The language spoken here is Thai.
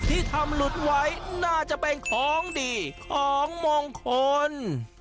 ที่ทำหลุดไว้น่าจะเป็นของดีของมงคล